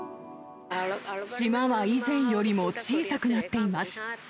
島は以前よりも小さくなっています。